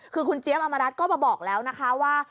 คือคุณเจี๊ยบอมรัฐก็มาบอกแล้วนะคะว่า